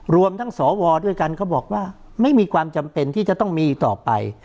รวมทั้งสวด้วยกันเขาบอกว่าไม่มีความจำเป็นที่จะต้องมีต่อไป